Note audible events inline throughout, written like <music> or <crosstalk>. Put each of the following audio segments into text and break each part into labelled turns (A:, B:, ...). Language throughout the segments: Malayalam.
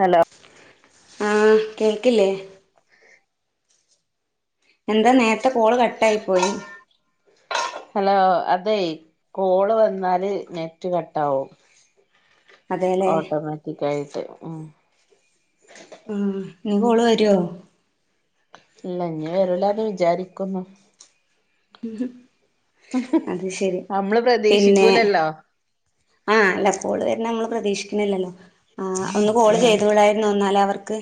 A: ഹലോ
B: ആഹ് കേൾക്കില്ലേ? എന്താ നേരത്തെ കോള് കട്ടായി പോയി
A: ഹലോ അതെ കോള് വന്നാല് നെറ്റ് കട്ടാവും
B: അതേല്ലേ
A: ഓട്ടോമാറ്റിക്കായിട്ട് ഉം
B: ഉം ഇനി കോള് വെരോ
A: ഇല്ലാ ഇന്നി വെരൂലാന്ന് വിചാരിക്കുന്നു
B: അത് ശരി
A: നമ്മള്
B: പിന്നെ
A: പ്രതീക്ഷിക്കൂലല്ലോ
B: ആഹ് അല്ല കോള് വെര്ന്നെ നമ്മള് പ്രതീക്ഷിക്കുന്നില്ലല്ലോ ആഹ് ഒന്ന് കോള്
A: ആഹ്
B: ചെയ്തൂടായിരുന്നോ ഇന്നാല് അവർക്ക്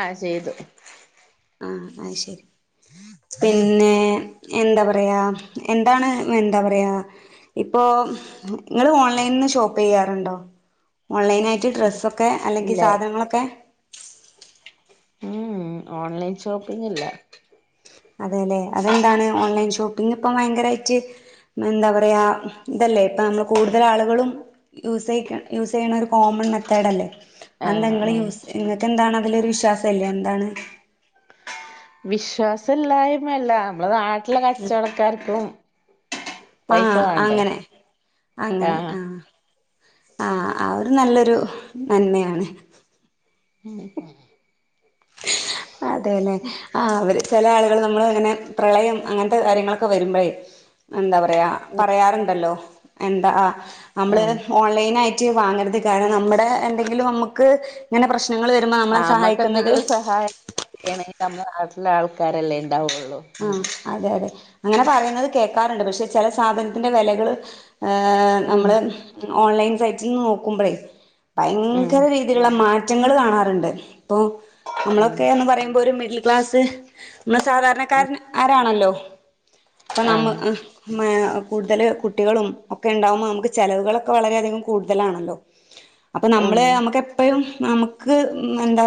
A: ആഹ് ചെയ്തു
B: ആഹ് അയ്ശരി പിന്നെ എന്താ പറയാ എന്താണ് എന്താ പറയാ ഇപ്പോ ഇങ്ങള് ഓൺലൈൻന്ന് ഷോപ്പ് ചെയ്യാറുണ്ടോ? ഓൺലൈനായിറ്റ്
A: ഉം
B: ഡ്രസ്സൊക്കെ അല്ലെങ്കി
A: ഇല്ല
B: സാധനങ്ങളൊക്കെ
A: ഉം ഓൺലൈൻ ഷോപ്പിംഗില്ലാ
B: അതെലേ അതെന്താണ് ഓൺലൈൻ ഷോപ്പിംഗിപ്പം ഭയങ്കരായിട്ട് എന്താ പറയാ ഇതല്ലേ ഇപ്പം നമ്മള് കൂടുതൽ ആളുകളും യൂസായിക്ക് യൂസ് ചെയ്യണൊരു കോമൺ മെത്തേഡ് അല്ലേ ആന്തെ
A: ആഹ്
B: ഇങ്ങള്
A: ആഹ്
B: യൂസ് ഇങ്ങക്ക് എന്താണ് അതിലൊരു വിശ്വാസല്ലേ എന്താണ്?
A: വിശ്വാസം ഇല്ലായ്മയല്ലാ നമ്മളെ നാട്ടിലെ കച്ചോടക്കാർക്കും
B: ആഹ് അങ്ങനെ അങ്ങനെ ആഹ് ആഹ് അതൊരു നല്ലൊരു നന്മയാണ്
A: <inaudible>
B: <inaudible> അതെലെ ആഹ് അവര് ചെല ആള്കള് നമ്മള് ഇങ്ങനെ പ്രളയം അങ്ങൻത്തെ കാര്യങ്ങളൊക്കെ വരുമ്പഴേ എന്താ പറയാ പറയാറ്ണ്ടല്ലോ എന്താ നമ്മള്
A: ആഹ്
B: ഓൺലൈനായിറ്റ് വാങ്ങര്ത് കാരണം നമ്മടെ എന്തെങ്കിലും നമ്മക്ക് ഇങ്ങനെ പ്രശ് ങ്ങള് വരുമ്പോ നമ്മളെ സഹായിക്കുന്നത്
A: സഹായിക്കണെ നമ്മളെ നാട്ടിലെ ആൾക്കാരല്ലേ ഇണ്ടാവൊള്ളൂ
B: ആഹ് അതെ അതെ അങ്ങനെ പറയുന്നത് കേക്കാറുണ്ട് പഷെ ചെല സാധനത്തിന്റെ വെലകള് ഏഹ്
A: ഉം
B: നമ്മള് ഓൺലൈൻ സൈറ്റീന്ന് നോക്കുമ്പഴേ
A: ഉം
B: ഭയങ്കര വെ ത്ള്ള മാറ്റങ്ങള് കാണാറ്ണ്ട് ഇപ്പോ
A: ഉം
B: നമ്മളൊക്കെന്ന് പറയുമ്പോ ഒരു മിഡിൽ ക്ലാസ്സ് നമ്മള് സാധാരണക്കാരൻ ആരാണല്ലോ അപ്പൊ നമ്മ ആഹ് മെ കൂടുതല് കുട്ടികളും ഒക്കെ ഇണ്ടാവുമ്പോ നമ്മക്ക് ചെലവുകളൊക്കെ വളരെയധികം കൂട്തലാണല്ലോ അപ്പ നമ്മള്
A: ആഹ്
B: നമ്മക്ക് എപ്പഴും നമക്ക് എന്താ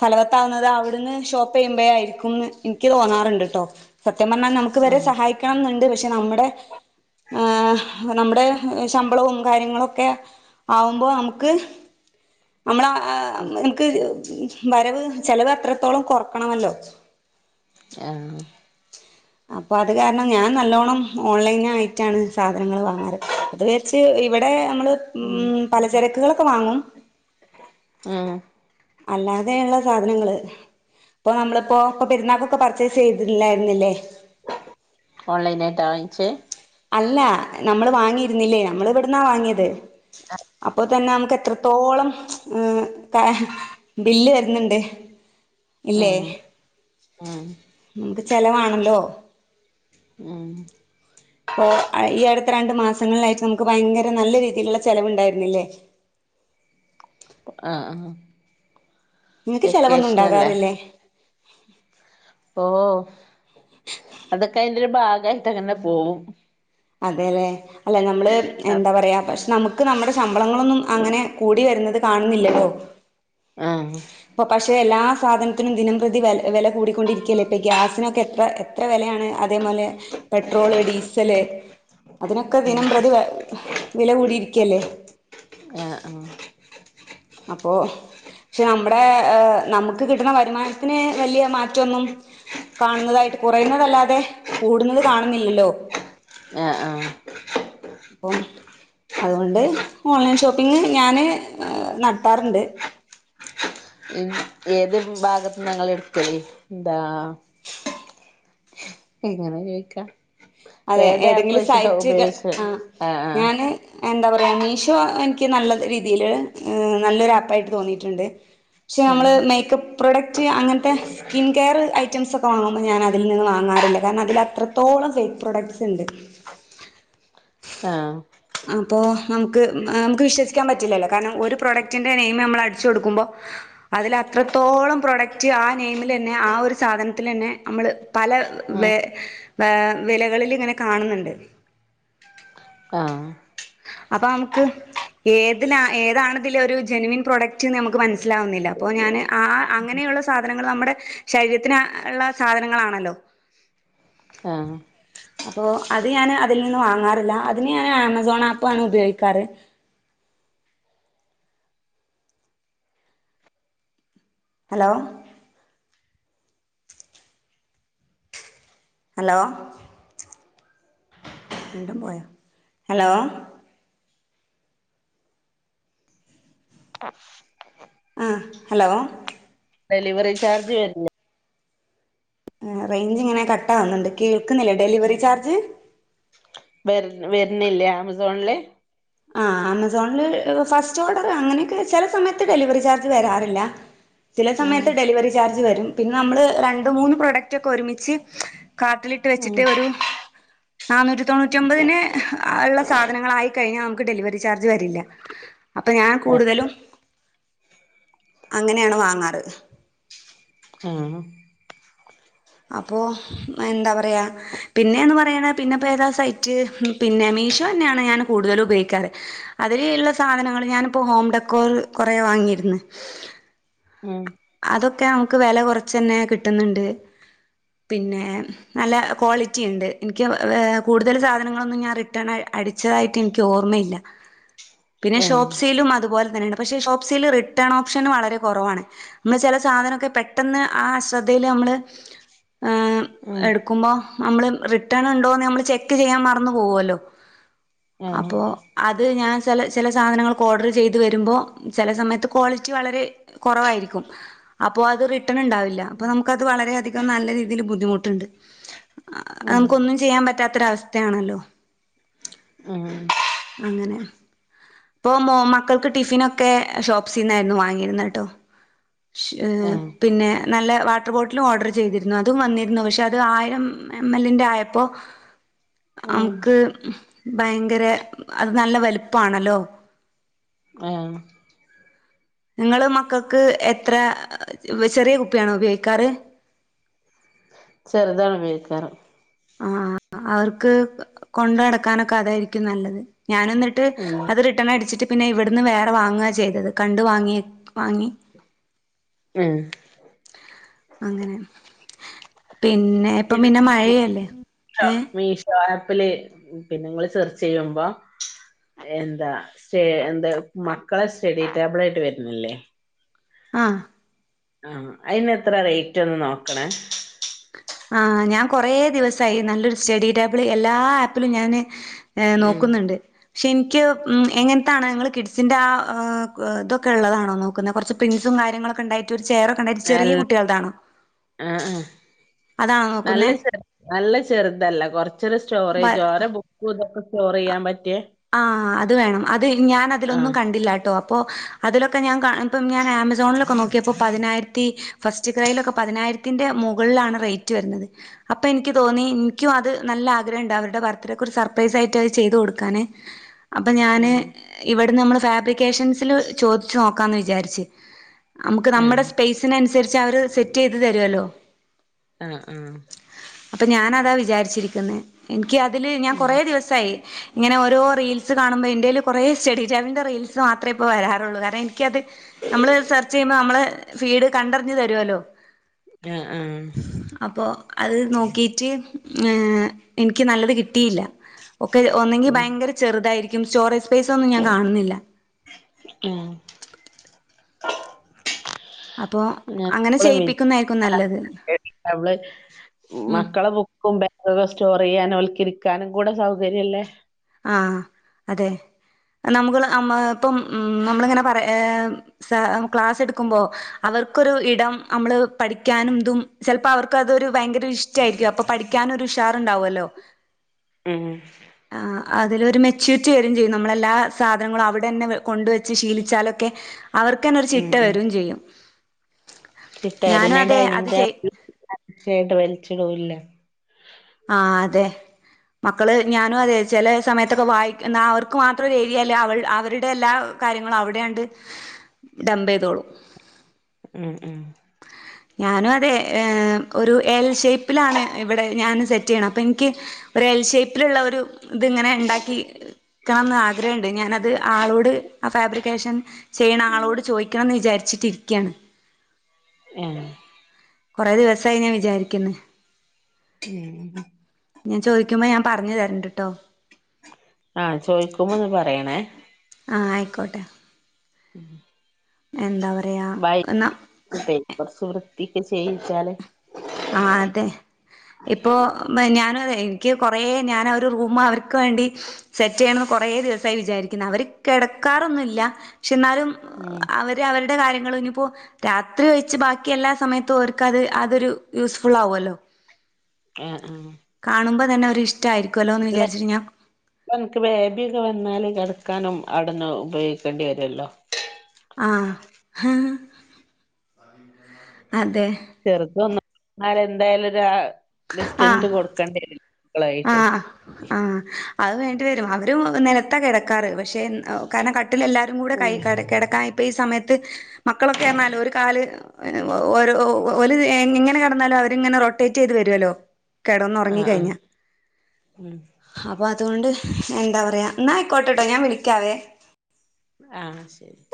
B: ഫല ത്താവുന്നത് അവിടുന്ന് ഷോപ്പ് ചെയ്യുമ്പയെ അയക്കുംന്ന് ഇനിക്ക് തോന്നാറുണ്ട്ട്ടോ സത്യം പറഞ്ഞാ നമുക്ക് ഇവരെ സഹായിക്കണന്ന്ണ്ട് പഷെ നമ്മടെ ഏഹ് നമ്മടെ ഏഹ് ശമ്പളവും കാര്യങ്ങളൊക്കെ ആവുമ്പോ നമ്മക്ക് നമ്മളാ ആഹ് എനക്ക് വരവ് ചെലവ് അത്രത്തോളം കൊറക്കണമല്ലോ
A: ആഹ്
B: അപ്പ അത് കാരണം ഞാൻ നല്ലോണം ഓൺലൈൻ ആയിറ്റാണ് സാധനങ്ങള് വാങ്ങാറ് അത് വിചാരിച്ച് ഇവിടെ നമ്മള് ഉം പലചരക്കുകളൊക്കെ വാങ്ങും
A: ഉം
B: അല്ലാതെയ്ള്ള സാധനങ്ങള് ഇപ്പൊ നമ്മളിപ്പോ ഇപ്പ പെര്ന്നാക്ക് ഇപ്പ പർച്ചേസ് ചെയ്തില്ലായിരുന്നില്ലേ
A: ഓൺലൈനായിറ്റാ വാങ്ങിച്ചെ
B: അല്ലാ നമ്മള് വാങ്ങിയിരുന്നില്ലേ നമ്മള് ഇവിട്ന്നാ വാങ്ങിയത് അപ്പൊ തന്നെ നമക്ക് എത്രത്തോളം ഉം ക ബില്ല് വര്ന്ന്ണ്ട് ഇല്ലേ
A: ഉം ഉം
B: ഉം ഇത് ചെലവാണല്ലോ
A: ഉം
B: പ്പൊ അ ഈ അട്ത്ത രണ്ട് മാസങ്ങളിലായിട്ട് നമുക്ക് ഭയങ്കര നല്ല രീതില്ള്ള ചെലവ്ണ്ടായിരുന്നില്ലേ
A: ആഹ് ആഹ്
B: നിങ്ങക്ക് ചെലവൊന്നും
A: വെക്കേഷ്ന ല്ലേ
B: ഉണ്ടാകാറില്ലേ
A: ഓഹ് അതൊക്കെ അയ്ന്റെ രു ഭാഗായിട്ട ങ്ങനെ പോകും
B: അതെല്ലേ അല്ല നമ്മള്
A: ആഹ്
B: എന്താ പറയാ പഷെ നമുക്ക് നമ്മുടെ ശമ്പളങ്ങളൊന്നും ആങ്ങനെ കൂടി വരുന്നത് കാണുന്നില്ലല്ലോ
A: ആഹ്
B: പൊ പഷെ എല്ലാ സാധനത്തിനും ദിനംപ്രതി വെ വെല കൂടിക്കൊണ്ടിരിക്കല്ലേ പ്പ ഗ്യാസിനൊക്കെ എത്ര എത്ര വെലയാണ് അതേമോലെ പെട്രോള് ഡീസല് അതിനൊക്കെ ദിനംപ്രതി വെ വില കൂടിയിരിക്കല്ലേ
A: ആഹ് ആഹ്
B: അപ്പോ ഷെ നമ്മടെ ഏഹ് നമുക്ക് കിട്ടുന്ന വരുമാനത്തിന് വലിയ മാറ്റൊന്നും കാണുന്നതായിട്ട് കുറയുന്നതല്ലാതെ കൂടുന്നത് കാണുന്നില്ലല്ലോ
A: ആഹ് ആഹ്
B: പ്പം അതുകൊണ്ട് ഓൺലൈൻ ഷോപ്പിങ് ഞാന് നട്ത്താറ്ണ്ട്
A: ഇന് ഏത് ഭാഗത്ത്ന്ന ങ്ങള് ഇട്ക്കല് ന്താ എങ്ങനെ ചോയ്ക്ക
B: അതെ ഏതെങ്കിലും സൈറ്റ്ക ആഹ് ഞാന് എന്താ പറയ മീഷോ എനിക്ക് നല്ല രീതിയിൽ നല്ലൊരു ആപ്പായിട്ട് തോന്നിട്ട്ണ്ട് ക്ഷേ നമ്മള്
A: ഉം
B: മേക്കപ്പ് പ്രൊഡക്റ്റ് അങ്ങൻതെ സ്കിൻ കെയർ ഐറ്റംസ് ഒക്കെ വാങ്ങുമ്പോ ഞാൻ അതിൽ നിന്ന് വാങ്ങാറില്ല കാരണം അതിൽ അത്രത്തോളം ഫെ പ്രൊഡക്സ് ഇണ്ട്
A: ആഹ്
B: ആപ്പോ നമുക്ക് നമുക്ക് വിശ്വസിക്കാൻ പറ്റില്ലല്ലോ കാരണം ഒരു പ്രോഡക്റ്റിന്റെ നെയിം നമ്മൾ അടിച്ചു കൊടുക്കുബോ അതിൽ അത്രത്തോളം പ്രൊഡക്റ്റ് ആ നെയ്മിലന്നെ ആ ഒരു സാധനത്തിലന്നെ നമ്മള് പല
A: ഉം
B: വെ വേ വിലകളിൽ ഇങ്ങനെ കാണ്ന്ന്ണ്ട്
A: ആഹ്
B: അപ്പൊ നമുക്ക് ഏതിലാ ഏതാണ് ഇതില് ഒരു ജനുവിൻ പ്രോഡക്റ്റ്ന്ന് നമുക്ക് മനസ്സിലാവുന്നില്ല അപ്പോ ഞാൻ ആ അങ്ങനെയുള്ള സാധനങ്ങൾ നമ്മുടെ ശരീരത്തിന് ഇള്ള സാധനങ്ങളാണല്ലോ
A: ആഹ്
B: അപ്പൊ അത് ഞാന് അതിൽ നിന്ന് വാങ്ങാറില്ല അതിന് ഞാന് ആമസോൺ ആപ്പ് ആണ് ഉപയോഗിക്കാറ് ഹലോ ഹലോ വിണ്ടും പോയോ ഹലോ ആഹ് ഹലോ
A: ഡെലിവറി ചാർജ് വെര്ൻ
B: ഏഹ് റേഞ്ച് ഇങ്ങനെ കട്ട ആവുന്നുണ്ട് കേൾക്കുന്നില്ല ഡെലിവറി ചാർജ്
A: വെര്ൻ വെര്ന്നില്ലേ ആമസോണ്ല്
B: ആഹ് ആമസോണിൽ ഫസ്റ്റ് ഓഡർ അങ്ങനൊക്കെ ചെല സമയത്ത് ഡെലിവറി ചാർജ് വരാറില്ല ചില
A: ഉം
B: സമയത്ത് ഡെലിവറി ചാർജ് വരും പിന്നെ നമ്മള് രണ്ട് മൂന്ന് പ്രോഡക്റ്റ് ഒക്കെ ഒരുമിച്ച് കാർട്ടില് ഇട്ട്
A: ഉം
B: വച്ചിട്ട് ഒരുനാനൂറ്റി തൊണ്ണുറ്റി ഒബാത്ന് ഉള്ള സാധനം ആയി കഴിഞ്ഞാൽ നമുക്ക് ഡെലിവറി ചാർജ് വരില്ല അപ്പൊ ഞാൻ കൂടുതലും അങ്ങനെയാണ് വാങ്ങാറ്
A: ആഹ്
B: അപ്പോൾ എന്താ പറയുക പിന്നെന്ന് പറയണ പിന്നെപ്പോ ഏതാ സൈറ്റ് പിന്നെ മീഷോ തന്നെയാണ് ഞാൻ കൂടുതലും ഉപയോഗിക്കാർ അതിലുള്ള സാധനങ്ങള് ഞാനിപ്പോ ഹോം ഡെക്കോറി കൊറെ വാങ്ങിയിരുന്ന്
A: ഉം
B: അതൊക്കെ നമുക്ക് വില കുറച്ച് തന്നെ കിട്ടുന്നുണ്ട് പിന്നെ നല്ല ക്വാളിറ്റി ഉണ്ട് എനിക്ക് കൂടുതൽ സാധനങ്ങളൊന്നും ഞാൻ റി റിട്ടാണ് അടിച്ചതായിട്ട് എനിക്ക് ഓർമ്മയില്ല പിന്നെ
A: ആഹ്
B: ഷോപ്സീയിലും അതുപോലെ തന്നെയണ്ട് പക്ഷെ ഷോപ്പ്സീല് റിട്ടേൺ ഓപ്ഷന് വളരെ കുറവാണ് നമ്മള് ചില സാധനൊക്കെ പെട്ടെന്ന് ആ അശ്രദ്ധയിൽ നമ്മള്
A: ഉം
B: എടു ക്കുമ്പോ നമ്മള് റിട്ടേൺ ഉണ്ടോന്ന് നമ്മള് ചെക്ക് ചെയ്യാൻ മറന്ന് പോകുല്ലോ
A: ആഹ്
B: അപ്പോ അത് ഞാൻ ചില ചില സാധനങ്ങൾക്ക് ഓർഡർ ചെയ്ത് വരുമ്പോൾ ചില സമയത്ത് ക്വാളിറ്റി വളരെ കുറവായിരിക്കും അപ്പൊ അത് റിട്ടേൺ ഉണ്ടാവില്ല അപ്പൊ നമുക്കത് വളര അധികം നല്ല രീതിയിൽ ബുദ്ധിമുട്ടുണ്ട്
A: ഉം
B: നമുക്കൊന്നും ചെയ്യാൻ പറ്റാത്തൊരവസ്ഥയാണല്ലോ
A: ഉം
B: അങ്ങനെ ഇപ്പോൾ മോ മക്കൾക്ക് ടിഫിനൊക്കെ ഷോപ്പ്സിൽ നിന്നായിരുന്നു വാങ്ങിയിരുന്നത് കേട്ടോ
A: ആഹ്
B: പിന്നെ നല്ല വാട്ടർ ബോട്ടിലും ഓർഡർ ചെയ്തിരുന്നു അതും വന്നിരുന്നു പക്ഷേ അത് ആയിരം എം എല്ലിൻ്റെ ആയപ്പോൾ
A: ഉം
B: നമുക്ക് ഭയങ്കര അത് നല്ല വലുപ്പാണല്ലോ
A: ആഹ്
B: നിങ്ങൾ മക്കൾക്ക് എത്ര ചെറിയ കുപ്പിയാണോ ഉപയോഗിക്കാറ്
A: ചെറുതാണ് ഉപയോഗിക്കാറ്
B: ആഹ് അവർക്ക് കൊണ്ട് നടക്കാനൊക്കെ അതായിരിക്കും നല്ലത് ഞാനൊന്നട്ട്
A: ഉം
B: അത് റിട്ടേൺ അടിച്ചിട്ട് പിന്നെ ഇവിടുന്ന് വേറെ വാങ്ങുക ചെയ്തത് കണ്ട് വാങ്ങി വാങ്ങി
A: ഉം
B: അങ്ങനെ പിന്നെ ഇപ്പം പിന്നെ മഴയല്ലേ ഏഹ്
A: മീഷോ ആപ്പില് പിന്നെങ്ങള് സെർച്ച് ചെയ്യുമ്പോ എന്താ സ്റ്റ എന്താ മക്കളെ സ്റ്റഡി ടേബിളായിട്ട് വരുന്നില്ലേ
B: ആഹ്
A: ആഹ് അയിന് എത്ര റേറ്റ് ഒന്ന് നോക്കണേ
B: ആഹ് ഞാൻ കൊറെേ ദിവസായി നല്ലൊരു സ്റ്റഡി ടേബിള് എല്ലാ ആപ്പിലും ഞാന് ഏഹ്
A: ഉം
B: നോക്കുന്നുണ്ട് പക്ഷെ എനിക്ക് എങ്ങനത്താണ് നിങ്ങൾ കിഡ്സിൻന്റെറെ ആ ഇതൊക്കെ ഉള്ളതാണോ നോ ക്കുന്ന കുറച്ച് പ്രിൻസും കാര്യങ്ങളൊക്കെണ്ടായിട്ട് ഒരു ചെയറൊക്കെ ഉണ്ടായി് ചെറിയ
A: അൽ
B: കുട്ടികളതാണോ
A: ആഹ് നല്ല
B: നോക്കുന്നേ
A: ചെറ നല്ല ചെറുതല്ല കൊറച്ച് ഒരു
B: വ
A: സ്റ്റോറേജ് ഓരെ ബു ക്കൂതൊക്കെ സ്റ്റോർ ചെയ്യാൻ പറ്റിയേ
B: ആഹ് അത് വേണം അത് ഞാൻ അതിലൊന്നും
A: ആഹ്
B: കണ്ടില്ല കേട്ടോ അപ്പോൾ അതിലൊക്കെ ഞാൻ ഇപ്പ ഞാൻ ആമസോണിലൊക്കെ നോക്കിയപ്പോൾ പതിനായിരത്തി ഫസ്റ്റ് ക്രൈയിലൊക്കെ പതിനായിരത്തി ത്തിന്റെ മുകളിലാണ് റേറ്റ് വരുന്നത് അപ്പോൾ എനിക്ക് തോന്നി എനിക്കും അത് നല്ല ആഗ്രഹമുണ്ട് അവരുടെ ബർത്ത്ഡേക്ക് ഒരു സർപ്രൈസ ആയിട്ട് അത് ചെയ്ത് കൊടുക്കാൻ അപ്പൊ ഞാന്
A: ആഹ്
B: ഇവിടു നമ്മൾ ഫാബ്രിക്കേഷൻസിൽ ചോദിച്ചു നോക്കാന്ന് വിചാരിച്ച് നമുക്ക് നമ്മുടെ
A: ആഹ്
B: സ്പേസിന അനുസരിച്ച് അവര് സെറ്റ് ചെയ്ത് തരുല്ലോ
A: ആഹ് ആഹ്
B: അപ്പൊ ഞാനതാ വിചാരിച്ചിരിക്കുന്നത് എനിക്ക് അതില് ഞൻ
A: ഉം
B: കൊറ ദിവസായി ഇങ്ങെനെ ഓരോ റീൽസ് കാണുമ്പോൾ എൻ്റെയിൽ കുറേ <unintelligible> റീൽസ് മാത്രമേ ഇപ്പോൾ വരാറുള്ളൂ കാരണം ഇൻക്കത് നമ്മള് സെർച്ച് ചെയ്യുമ്പോൾ നമ്മളെ ഫീഡ് കണ്ടറിഞ്ഞു തരുവല്ലോ
A: ആഹ് ആഹ്
B: അപ്പോ അത് നോക്കിട്ട് എനിക്ക് നല്ലത് കിട്ടിയില്ല ഒക്കെ ഒന്നെങ്കി
A: ഉം
B: ഭയങ്കര ചെറുതായിരിക്കും സ്റ്റോറേജ് സ്പേസ് ഒന്നും ഞാൻ കാണുന്നില്ല
A: ആഹ്
B: അപ്പോ അങ്ങനെ
A: ഞൻള
B: ചെയ്യിപ്പിക്കുന്നായിരിക്കും നല്ലത്
A: <unintelligible>
B: ഉം
A: മക്കളെ ബുക്കും ബാഗൊക്കെ സ്റ്റോർ ചെയ്യാനും അവൽക്കരിക്കാനും കൂടെ സൗകര്യംല്ലേ
B: ആഹ് അതെ നമ്മള് ഇപ്പം ഉം നമ്മളിങ്ങനെ പറ സ ക്ലാസ് എടുക്കുമ്പോ അവർക്കൊരു ഇടം നമ്മള് പഠിക്കാനും ഇതും ചിലപ്പോ അവർക്ക അതൊരു ഭയങ്കര ഇഷ്ടയിരിക്കും അപ്പൊ പഠിക്കാൻ ഒരു ഉഷാറുണ്ടാവല്ലോ
A: ഉം
B: ആഹ് അതിലൊരു മെച്യൂരിറ്റി വാര്യും ചെയ്യും നമ്മളെല്ലാ സാധനങ്ങളും അവിടെന്നെ കൊണ്ടുവച്ച് ശീലിച്ചാലൊക്കെ അവർക്ക്ന്നെ ഒരു
A: ഉം
B: ചിട്ട വരയും ചെയ്യും ഞാനും
A: ചിട്ടവരനെ
B: അതെ
A: ഡൈനിങ്
B: അത് ചെയ്
A: ടേബിൾായിട്ട് <unintelligible> വലിച്ചിടൂല്ല
B: ആഹ് അതെ മക്കള് ഞാനും അതെ ചില സമയത്തൊക്കെ വായിക്ക എന്ന അവർക്ക് മാത്രം ഏതിയല്ല അവ അവരുടെ എല്ലാ കാര്യങ്ങ അവിടെണ്ട് ഡംമ്പ്യ്തോളൂ
A: ഉം ഉം
B: ഞാനും അതെ ഏഹ് ഒരു എൽ ഷേ്പിലാണ് ഇവിടെ ഞാൻ സെറ്റ് ചെയ്യണം അപ്പൊ എനിക്ക് ഒരു എൽ ഷേപ്പിലുള്ള ഒരു ഇത്ങ്ങനെ ഉണ്ടാക്കി നിൽക്കണംമെന്ന് ആഗ്രഹണ്ട് ഞാനത് ആളോട് ആ ഫാബ്രിക്കേഷൻ ചെയ്യണ ആളോട് ചോദിക്കണംന്ന് വിചാരിച്ചിട്ടിരിക്കുകയാണ്
A: ഏഹ്
B: കുറെേ ദിവസായി ഞാൻ വിചാരിക്കുന്നു
A: ഉം
B: ഞാൻ ചോദിക്കുമം ഞാൻ പറഞ്ഞു തരണ്ട്ട്ടോ
A: ആഹ് ചോദിക്കുമോന്ന് പറയണേ
B: ആഹ് ആയിക്കോട്ടെ
A: ഉം
B: എന്താ പറയാ എന്ന
A: അതെ കുറച്ച് വൃത്തിക്ക് ചെയ്യിച്ചാല്
B: ആഹ് അതെ ഇപ്പോ ഞാനും അതെ നിക്ക്കുറേ ഞാനരു റൂമ് അവർക്ക് വേണ്ടി സെറ്റ് ചെയ്യണന്ന് കൊറേ ദിവസായി വിചാരിക്കുന്ന് അവര് കിടക്കാറൊന്നുല്ല പക്ഷെ എന്നാലും
A: ഏഹ്
B: ദേ അവരുടെ കാര്യങ്ങള് ഇനിയിപ്പോ രാത്രി ഒയിച്ച് ബാക്കി എല്ലാ സമയത്തും ഓര്ക്കത് അതൊരു യൂസ്ഫുള്ളാവ്വല്ലോ
A: ആഹ് ആഹ്
B: കാണുമ്പോ തന്നെ ഒരു ഇഷ്ടയിരിക്കുവല്ലോന്ന് വിചാരിച്ച്ട്ട് ഞാൻ
A: എനിക്ക് ബേബിയൊക്കെ വന്നാല് കെടക്കാനും അവിടുന്ന് ഉപയോഗിക്കേണ്ടി വരുവല്ലോ
B: ആഹ് അതെ
A: ചെറുത് വന്നാ നമ്മളെന്തായാലും ഒരാ ഡിസ്റ്റന്റ്
B: ആഹ്
A: കൊടുക്കേണ്ടി വരും മക്കളായിട്ട്
B: ആഹ് ആഹ് അത് വേണ്ടി വരും അവരു നെലത്താ കെടക്കാറ് പക്ഷെ കാരണം കട്ടിലെല്ലാ രും കൂടെ കൈ
A: ഉം
B: കടെ കെടക്കാ ഇപ്പ ഈ സമയത്ത് മക്കളൊക്കെന്ന് പറഞ്ഞാല് ഒരു കാല് അയ്ന് ഓ ഓര് ഓ ഓല് എങ്ങ് എങ്ങനെ കെടന്നാലും അവരിങ്ങനെ റൊട്ടേറ്റ് ചെയ്ത് വരുവല്ലോ കെടന്നൊറങ്ങി
A: ആഹ് ആഹ്
B: കഴിഞ്ഞ
A: ഉം
B: അപ്പൊ അതുകൊണ്ട് എന്താ പറയാ എന്നാ ആയിക്കോട്ടെട്ടോ ഞാൻ വിളിക്കാവേ
A: ആഹ് ശെരി